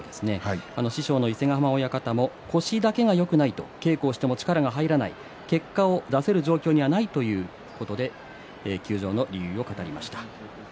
師匠の伊勢ヶ濱親方も腰だけがよくない稽古をしても力が入らない結果を出せる状況ではないということで休場の理由を語りました。